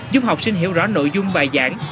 giúp học sinh hiểu rõ nội dung bài giảng